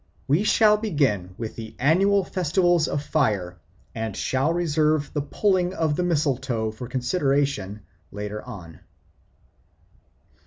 We shall begin with the annual festivals of fire and shall reserve the pulling of the mistletoe for consideration later on.